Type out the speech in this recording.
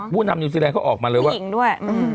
ผู้นำนิวซีแลนด์เขาออกมาเลยว่าผู้หญิงด้วยอืม